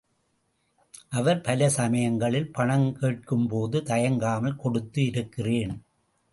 அவர், பல சமயங்களில் பணம் கேட்கும்போது தயங்காமல் கொடுத்து இருக்கிறேன்.